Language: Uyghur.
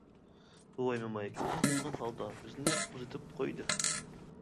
بوۋاي-موماي كۆزى قىيمىغان ھالدا بىزنى ئۇزىتىپ قويدى.